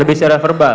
lebih secara verbal